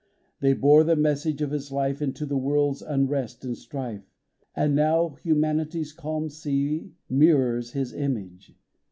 They bore the message of His life Into the world's unrest and strife, 20 EASTER GLEAMS And now humanity's calm sea Mirrors His image.